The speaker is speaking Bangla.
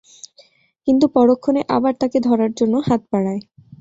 কিন্তু পরক্ষণে আবার তাকে ধরার জন্যে হাত বাড়ায়।